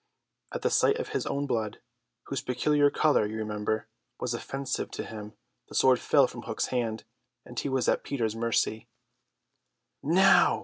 At the sight of his own blood, whose peculiar colour, you remember, was offensive to him, the sword fell from Hook's hand, and he was at Peter's mercy. "Now!"